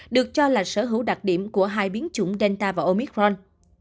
được cho là sở hữu đặc điểm của hai biến chủng delta và omicron